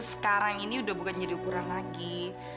sekarang ini udah bukan jadi ukuran lagi